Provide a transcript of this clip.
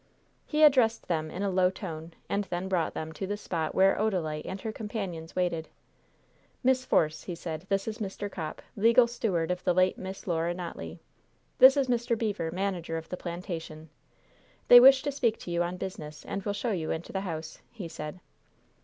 He addressed them in a low tone, and then brought them to the spot where Odalite and her companions waited. "Miss Force," he said, "this is Mr. Copp, legal steward of the late Miss Laura Notley. This is Mr. Beever, manager of the plantation. They wish to speak to you on business, and will show you into the house," he said.